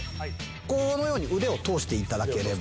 このように腕を通して頂ければ。